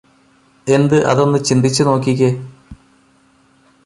എന്ത് അതൊന്നു ചിന്തിച്ച് നോക്കിക്കേ